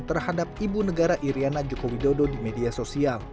terhadap ibu negara iryana joko widodo di media sosial